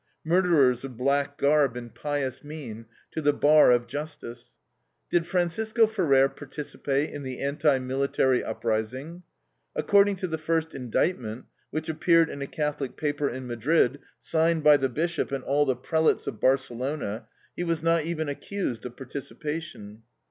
Murderers of black garb and pious mien, to the bar of justice! Did Francisco Ferrer participate in the anti military uprising? According to the first indictment, which appeared in a Catholic paper in Madrid, signed by the Bishop and all the prelates of Barcelona, he was not even accused of participation.